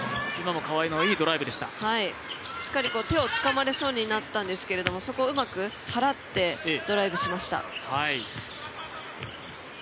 川井選手、しっかり手を捕まれそうになったんですけどそこをうまく払ってドライブしました。